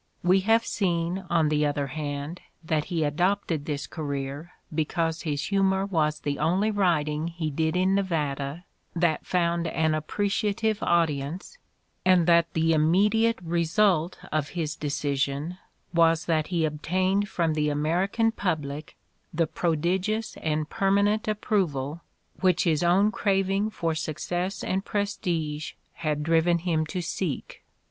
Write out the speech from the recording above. "We have seen, on the other hand, that he adopted this career because his humor was the only writing he did in Nevada that found an appreciative audience and that the immediate result of his decision was that he obtained from the American public the prodigious and permanent ap proval which his own craving for success and prestige had driven him to seek.